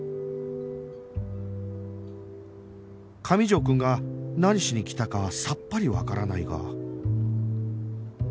上条くんが何しに来たかはさっぱりわからないが